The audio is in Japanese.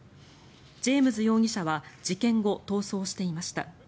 ジェームズ容疑者は事件後、逃走していました。